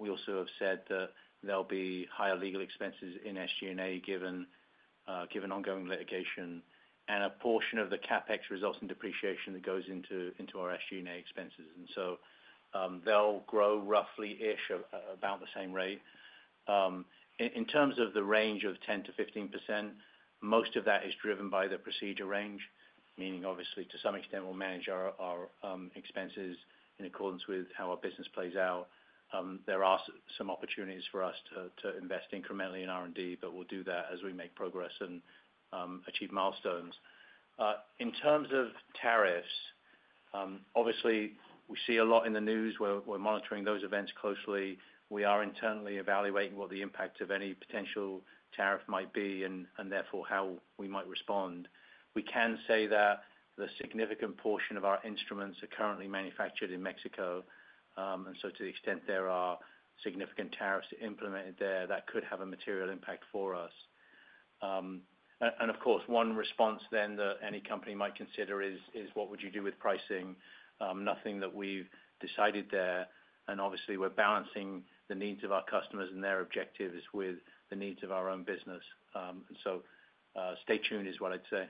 Speaker 4: We also have said that there'll be higher legal expenses in SG&A given ongoing litigation and a portion of the CapEx results in depreciation that goes into our SG&A expenses. And so they'll grow roughly-ish about the same rate. In terms of the range of 10%-15%, most of that is driven by the procedure range, meaning obviously, to some extent, we'll manage our expenses in accordance with how our business plays out. There are some opportunities for us to invest incrementally in R&D, but we'll do that as we make progress and achieve milestones. In terms of tariffs, obviously, we see a lot in the news. We're monitoring those events closely. We are internally evaluating what the impact of any potential tariff might be and therefore how we might respond. We can say that the significant portion of our instruments are currently manufactured in Mexico. And so to the extent there are significant tariffs implemented there, that could have a material impact for us. And of course, one response then that any company might consider is, "What would you do with pricing?" Nothing that we've decided there. And obviously, we're balancing the needs of our customers and their objectives with the needs of our own business. And so stay tuned is what I'd say.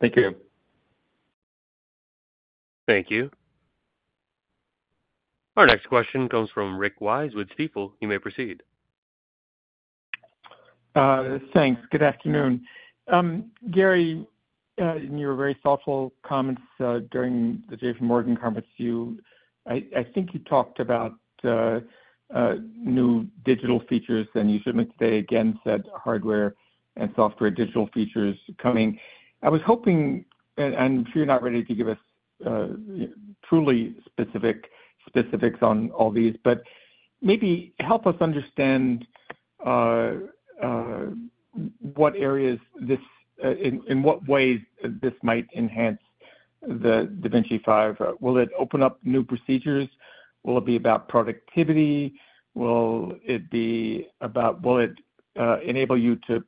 Speaker 9: Thank you.
Speaker 1: Thank you. Our next question comes from Rick Wise with Stifel. You may proceed.
Speaker 10: Thanks. Good afternoon. Gary, in your very thoughtful comments during the JPMorgan conference, I think you talked about new digital features, and you should make today again said hardware and software digital features coming. I was hoping, and I'm sure you're not ready to give us truly specifics on all these, but maybe help us understand in what ways this might enhance the da Vinci 5. Will it open up new procedures? Will it be about productivity? Will it be about? Will it enable you to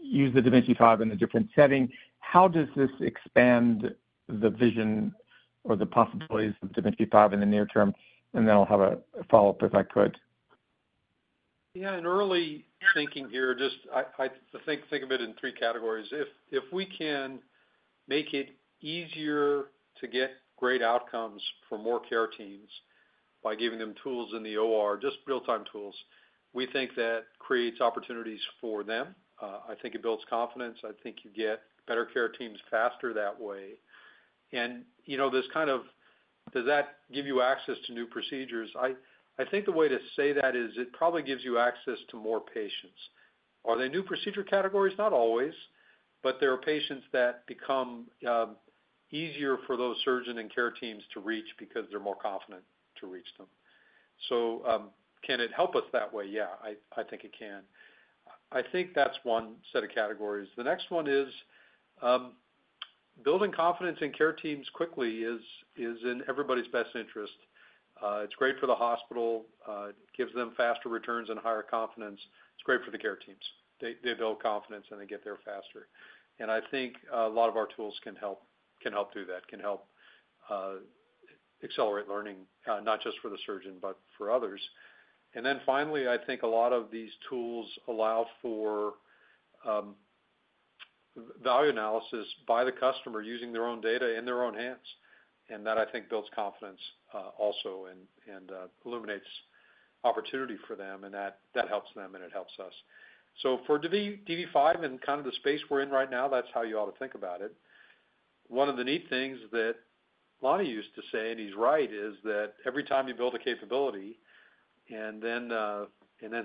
Speaker 10: use the da Vinci 5 in a different setting? How does this expand the vision or the possibilities of da Vinci 5 in the near term? And then I'll have a follow-up if I could.
Speaker 3: Yeah. In early thinking here, just I think of it in three categories. If we can make it easier to get great outcomes for more care teams by giving them tools in the OR, just real-time tools, we think that creates opportunities for them. I think it builds confidence. I think you get better care teams faster that way. This kind of does that give you access to new procedures? I think the way to say that is it probably gives you access to more patients. Are they new procedure categories? Not always, but there are patients that become easier for those surgeons and care teams to reach because they're more confident to reach them. So can it help us that way? Yeah, I think it can. I think that's one set of categories. The next one is building confidence in care teams quickly is in everybody's best interest. It's great for the hospital. It gives them faster returns and higher confidence. It's great for the care teams. They build confidence and they get there faster. And I think a lot of our tools can help do that, can help accelerate learning, not just for the surgeon, but for others. And then finally, I think a lot of these tools allow for value analysis by the customer using their own data in their own hands. And that, I think, builds confidence also and illuminates opportunity for them, and that helps them and it helps us. So for DV5 and kind of the space we're in right now, that's how you ought to think about it. One of the neat things that Lonnie used to say, and he's right, is that every time you build a capability and then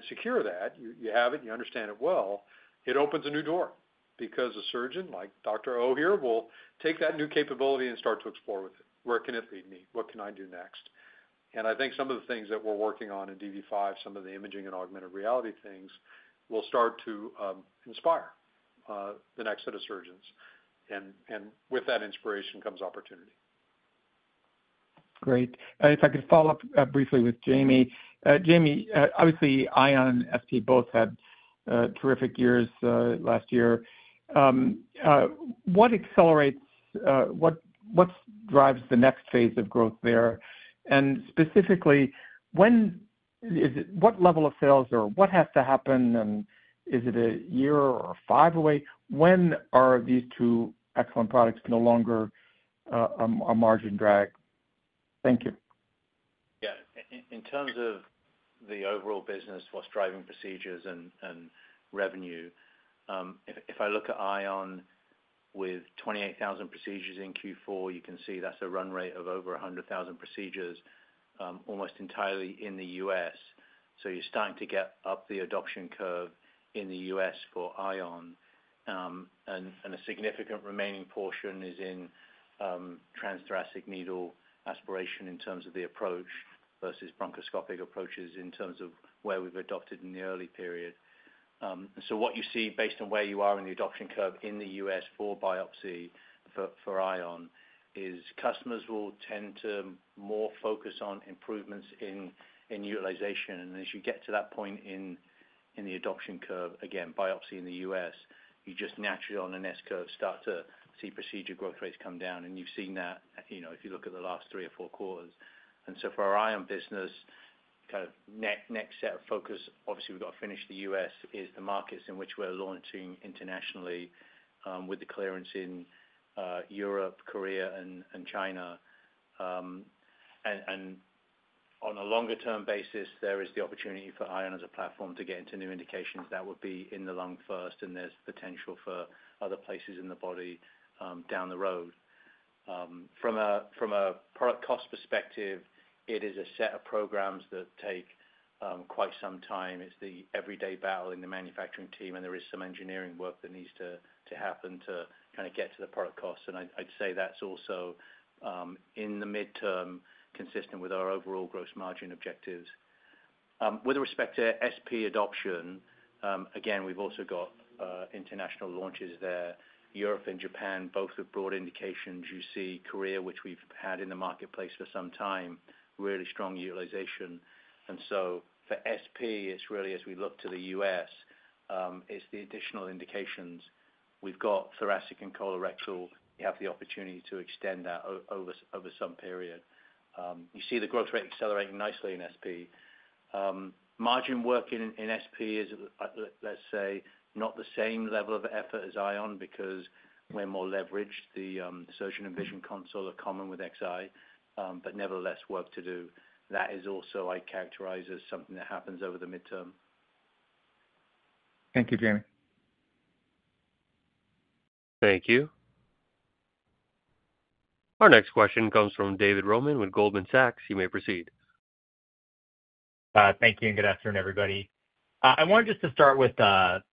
Speaker 3: secure that, you have it, you understand it well, it opens a new door because a surgeon like Dr. Oh here will take that new capability and start to explore with it. Where can it lead me? What can I do next? And I think some of the things that we're working on in DV5, some of the imaging and augmented reality things, will start to inspire the next set of surgeons. And with that inspiration comes opportunity.
Speaker 10: Great. And if I could follow up briefly with Jamie. Jamie, obviously, Ion and SP both had terrific years last year. What accelerates? What drives the next phase of growth there? And specifically, what level of sales or what has to happen? And is it a year or five away? When are these two excellent products no longer a margin drag? Thank you.
Speaker 4: Yeah. In terms of the overall business, what's driving procedures and revenue? If I look at Ion with 28,000 procedures in Q4, you can see that's a run rate of over 100,000 procedures almost entirely in the U.S. You're starting to get up the adoption curve in the U.S. for Ion. A significant remaining portion is in transthoracic needle aspiration in terms of the approach versus bronchoscopic approaches in terms of where we've adopted in the early period. What you see based on where you are in the adoption curve in the U.S. for biopsy for Ion is customers will tend to more focus on improvements in utilization. As you get to that point in the adoption curve, again, biopsy in the U.S., you just naturally on an S-curve start to see procedure growth rates come down. You've seen that if you look at the last three or four quarters. And so for our Ion business, kind of next set of focus, obviously, we've got to finish the U.S. It's the market in which we're launching internationally with the clearance in Europe, Korea, and China. And on a longer-term basis, there is the opportunity for Ion as a platform to get into new indications. That would be in the lung first, and there's potential for other places in the body down the road. From a product cost perspective, it is a set of programs that take quite some time. It's the everyday battle in the manufacturing team, and there is some engineering work that needs to happen to kind of get to the product cost. And I'd say that's also in the midterm, consistent with our overall gross margin objectives. With respect to SP adoption, again, we've also got international launches there. Europe and Japan, both with broad indications. You see Korea, which we've had in the marketplace for some time, really strong utilization. And so for SP, it's really as we look to the US, it's the additional indications. We've got thoracic and colorectal. You have the opportunity to extend that over some period. You see the growth rate accelerating nicely in SP. Margin work in SP is, let's say, not the same level of effort as Ion because we're more leveraged. The surgeon and vision console are common with XI, but nevertheless, work to do. That is also I characterize as something that happens over the midterm.
Speaker 10: Thank you, Jamie.
Speaker 1: Thank you. Our next question comes from David Roman with Goldman Sachs. You may proceed.
Speaker 11: Thank you. And good afternoon, everybody. I wanted just to start with a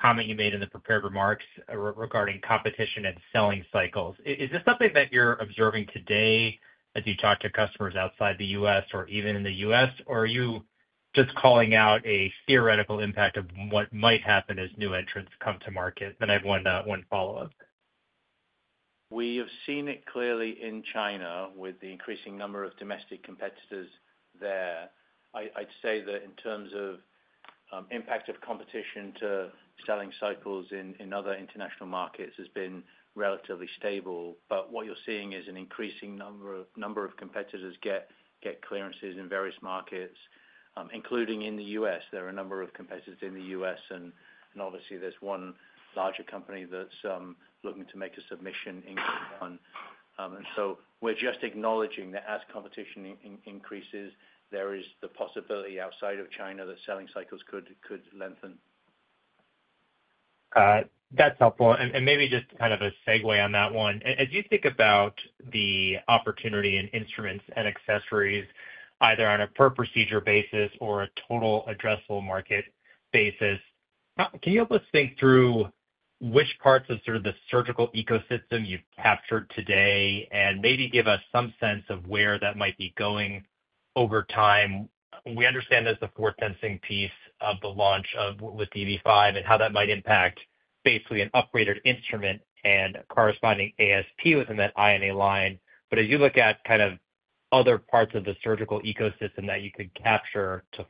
Speaker 11: comment you made in the prepared remarks regarding competition and selling cycles. Is this something that you're observing today as you talk to customers outside the U.S. or even in the U.S., or are you just calling out a theoretical impact of what might happen as new entrants come to market? Then I have one follow-up.
Speaker 4: We have seen it clearly in China with the increasing number of domestic competitors there. I'd say that in terms of impact of competition to selling cycles in other international markets has been relatively stable. But what you're seeing is an increasing number of competitors get clearances in various markets, including in the U.S. There are a number of competitors in the U.S., and obviously, there's one larger company that's looking to make a submission in Japan. And so we're just acknowledging that as competition increases, there is the possibility outside of China that selling cycles could lengthen.
Speaker 11: That's helpful. Maybe just kind of a segue on that one. As you think about the opportunity in instruments and accessories, either on a per-procedure basis or a total addressable market basis, can you help us think through which parts of sort of the surgical ecosystem you've captured today and maybe give us some sense of where that might be going over time? We understand there's a force-sensing piece of the launch with DV5 and how that might impact basically an upgraded instrument and corresponding ASP within that IA line. But as you look at kind of other parts of the surgical ecosystem that you could capture to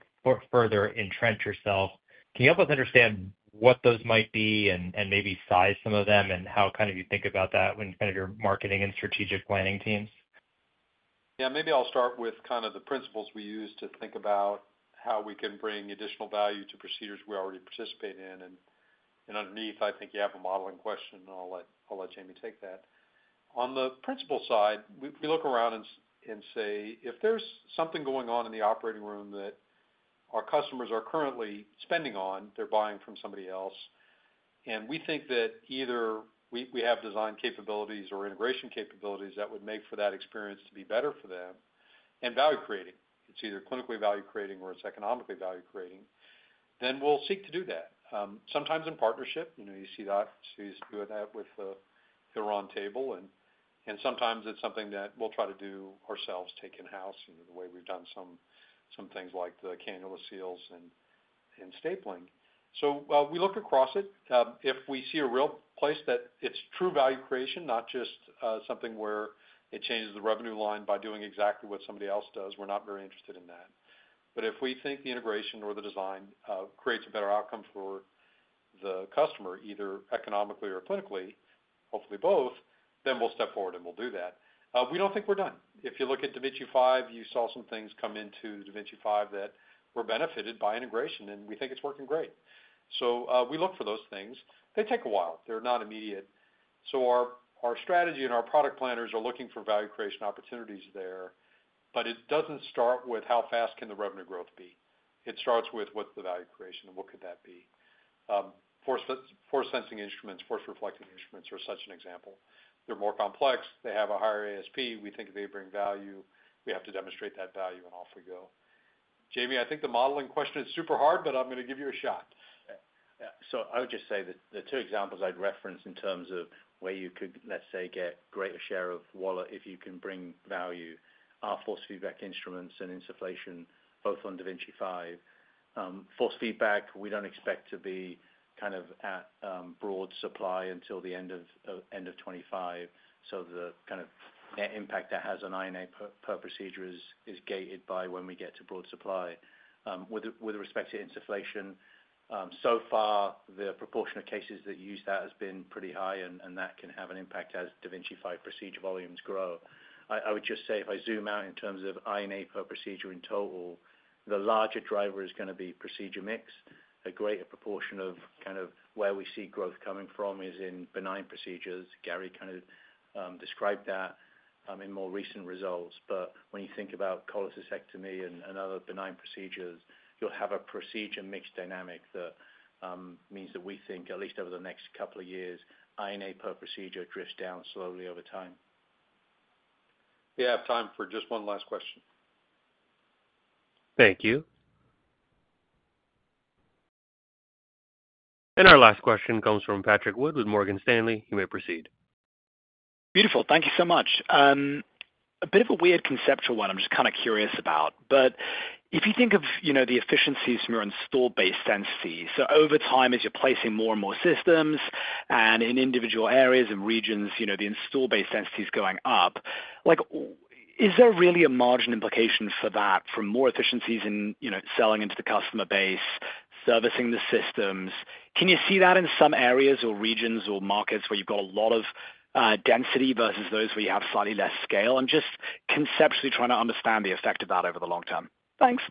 Speaker 11: further entrench yourself, can you help us understand what those might be and maybe size some of them and how kind of you think about that when kind of your marketing and strategic planning teams?
Speaker 4: Yeah. Maybe I'll start with kind of the principles we use to think about how we can bring additional value to procedures we already participate in. And underneath, I think you have a modeling question, and I'll let Jamie take that. On the principle side, we look around and say, "If there's something going on in the operating room that our customers are currently spending on, they're buying from somebody else, and we think that either we have design capabilities or integration capabilities that would make for that experience to be better for them and value creating. It's either clinically value creating or it's economically value creating, then we'll seek to do that." Sometimes in partnership, you see that. So you do that with the round table. And sometimes it's something that we'll try to do ourselves, take in-house the way we've done some things like the cannula seals and stapling.
Speaker 3: So we look across it. If we see a real place that it's true value creation, not just something where it changes the revenue line by doing exactly what somebody else does, we're not very interested in that. But if we think the integration or the design creates a better outcome for the customer, either economically or clinically, hopefully both, then we'll step forward and we'll do that. We don't think we're done. If you look at da Vinci 5, you saw some things come into da Vinci 5 that were benefited by integration, and we think it's working great. So we look for those things. They take a while. They're not immediate. So our strategy and our product planners are looking for value creation opportunities there, but it doesn't start with how fast can the revenue growth be. It starts with what's the value creation and what could that be. Forward-facing instruments, forward-reaching instruments are such an example. They're more complex. They have a higher ASP. We think they bring value. We have to demonstrate that value, and off we go. Jamie, I think the modeling question is super hard, but I'm going to give you a shot.
Speaker 4: Yeah. So I would just say the two examples I'd reference in terms of where you could, let's say, get a greater share of wallet if you can bring value are force feedback instruments and insufflation, both on da Vinci 5. Force feedback, we don't expect to be kind of at broad supply until the end of 2025. So the kind of net impact that has on INA per procedure is gated by when we get to broad supply. With respect to insufflation, so far, the proportion of cases that use that has been pretty high, and that can have an impact as da Vinci 5 procedure volumes grow. I would just say if I zoom out in terms of INA per procedure in total, the larger driver is going to be procedure mix. A greater proportion of kind of where we see growth coming from is in benign procedures. Gary kind of described that in more recent results. But when you think about cholecystectomy and other benign procedures, you'll have a procedure mix dynamic that means that we think, at least over the next couple of years, INA per procedure drifts down slowly over time.
Speaker 1: Yeah. Time for just one last question. Thank you. And our last question comes from Patrick Wood with Morgan Stanley. You may proceed.
Speaker 12: Beautiful. Thank you so much. A bit of a weird conceptual one I'm just kind of curious about, but if you think of the efficiencies from your installed-base density, so over time as you're placing more and more systems in individual areas and regions, the installed-base density is going up, is there really a margin implication for that from more efficiencies in selling into the customer base, servicing the systems? Can you see that in some areas or regions or markets where you've got a lot of density versus those where you have slightly less scale? I'm just conceptually trying to understand the effect of that over the long term. Thanks.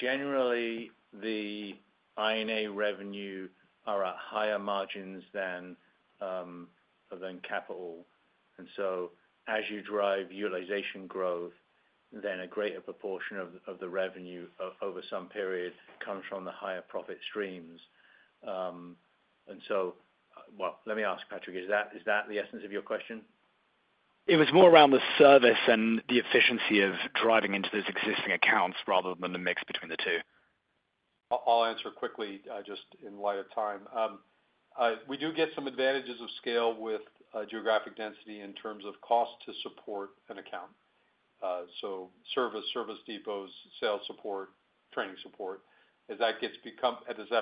Speaker 4: Generally, the I&A revenue are at higher margins than capital. And so as you drive utilization growth, then a greater proportion of the revenue over some period comes from the higher profit streams. And so, well, let me ask, Patrick, is that the essence of your question?
Speaker 12: It was more around the service and the efficiency of driving into those existing accounts rather than the mix between the two.
Speaker 4: I'll answer quickly just in light of time. We do get some advantages of scale with geographic density in terms of cost to support an account. So service depots, sales support, training support. As that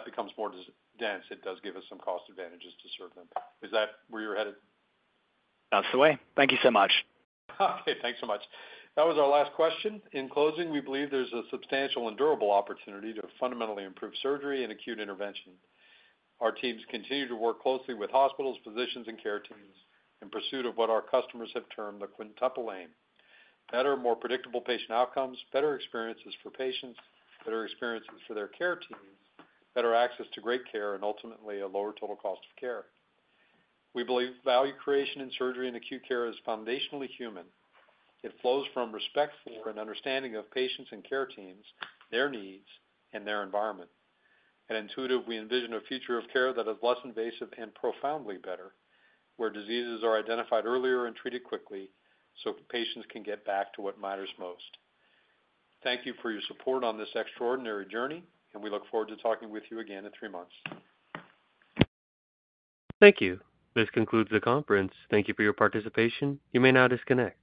Speaker 4: becomes more dense, it does give us some cost advantages to serve them. Is that where you're headed?
Speaker 12: That's the way. Thank you so much.
Speaker 2: Okay. Thanks so much. That was our last question. In closing, we believe there's a substantial and durable opportunity to fundamentally improve surgery and acute intervention. Our teams continue to work closely with hospitals, physicians, and care teams in pursuit of what our customers have termed the quintuple aim: better, more predictable patient outcomes, better experiences for patients, better experiences for their care teams, better access to great care, and ultimately a lower total cost of care. We believe value creation in surgery and acute care is foundationally human. It flows from respect for and understanding of patients and care teams, their needs, and their environment. And Intuitive, we envision a future of care that is less invasive and profoundly better, where diseases are identified earlier and treated quickly so patients can get back to what matters most. Thank you for your support on this extraordinary journey, and we look forward to talking with you again in three months.
Speaker 1: Thank you. This concludes the conference. Thank you for your participation. You may now disconnect.